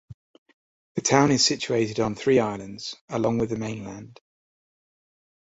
The town is situated on three islands, along with the main land.